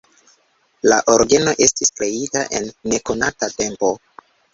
La orgeno estis kreita en nekonata tempo.